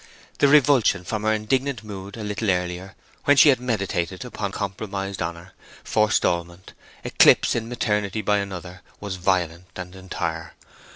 The revulsion from her indignant mood a little earlier, when she had meditated upon compromised honour, forestalment, eclipse in maternity by another, was violent and entire.